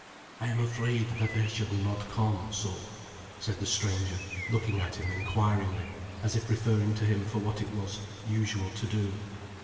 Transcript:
"I am afraid that I should not come, so," said the stranger, looking at him enquiringly, as if referring to him for what it was usual to do.